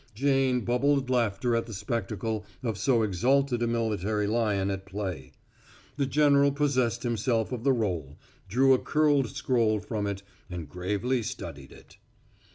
Jane bubbled laughter at the spectacle of so exalted a military lion at play. The general possessed himself of the roll, drew a curled scroll from it, and gravely studied it.